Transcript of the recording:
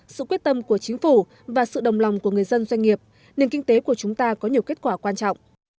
sự quyết tâm của chính phủ và sự đồng lòng của người dân doanh nghiệp nền kinh tế của chúng ta có nhiều kết quả quan trọng